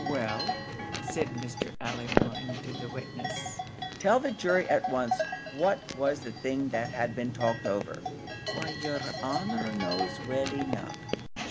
"Well," said Mr. Allewinde to the witness, "tell the jury at once what was the thing that had been talked over." "Why, yer honour knows well enough.